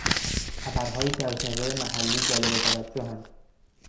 خبرهایی که از نظر محلی جالب توجهاند